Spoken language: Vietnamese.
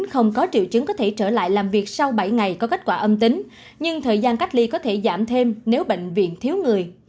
không có triệu chứng có thể trở lại làm việc sau bảy ngày có kết quả âm tính nhưng thời gian cách ly có thể giảm thêm nếu bệnh viện thiếu người